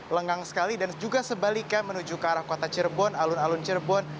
lengang sekali dan juga sebaliknya menuju ke arah kota cirebon alun alun cirebon